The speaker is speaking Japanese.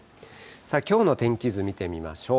きょうの天気図見てみましょう。